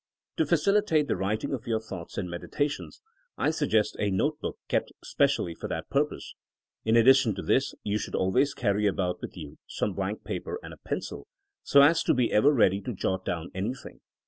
To facilitate the writing of your thoughts and meditations I suggest a notebook kept specially for that purpose. In addition to this you should always carry about with you some blank paper and a pencil, so as to be ever ready to jot down anything.